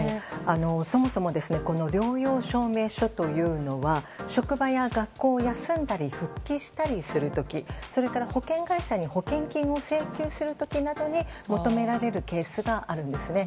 そもそもこの療養証明書というのは職場や学校を休んだり復帰したりする時それから、保険会社に保険金を請求する時などに求められるケースがあるんですね。